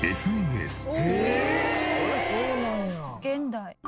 現代。